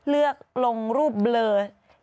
เลือกลงรูปเบลอ